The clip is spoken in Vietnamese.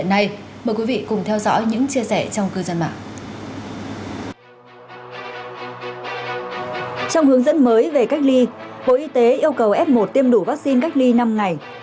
trong hướng dẫn mới về cách ly bộ y tế yêu cầu f một tiêm đủ vaccine cách ly năm ngày